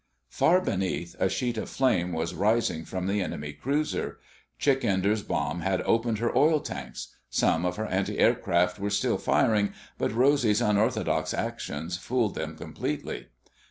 Far beneath, a sheet of flame was rising from the enemy cruiser. Chick Enders' bomb had opened her oil tanks. Some of her antiaircraft were still firing, but Rosy's unorthodox actions fooled them completely.